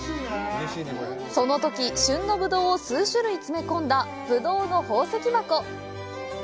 そのとき旬のブドウを数種類詰め込んだぶどうの宝石箱。